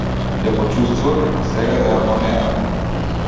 Ја почувствува како сега да е во неа.